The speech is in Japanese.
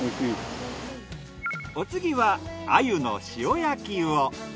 お次は鮎の塩焼きを。